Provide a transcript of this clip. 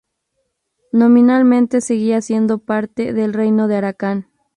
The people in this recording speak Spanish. Nominalmente seguía siendo parte del Reino de Arakan.